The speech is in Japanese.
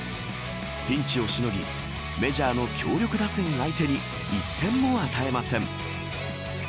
ピンチをしのぎメジャーの強力打線を相手に１点も与えません。